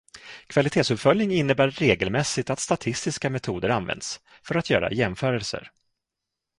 Kvalitetsuppföljning innebär regelmässigt att statistiska metoder används, för att göra jämförelser.